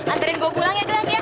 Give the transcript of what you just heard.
anterin gue pulang ya jelas ya